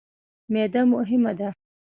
معده مهمه ده.